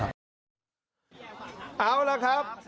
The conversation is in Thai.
เอาล่ะครับ